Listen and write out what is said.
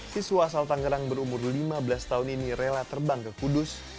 siswa asal tangerang berumur lima belas tahun ini rela terbang ke kudus